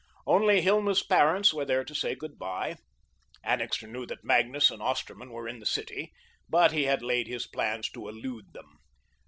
Only Hilma's parents were there to say good bye. Annixter knew that Magnus and Osterman were in the city, but he had laid his plans to elude them.